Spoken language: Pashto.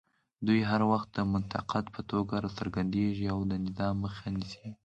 دوی هر وخت د منتقد په توګه راڅرګندېږي او د نظام مخه نیسي